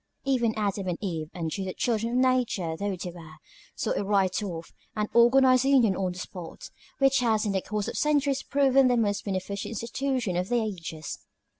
Even Adam and Eve, untutored children of nature though they were, saw it right off, and organized a union on the spot, which has in the course of centuries proven the most beneficent institution of the ages.